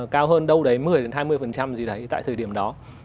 cao hơn đâu đấy một mươi hai mươi gì đấy tại thời điểm đó